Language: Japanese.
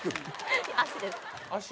足です。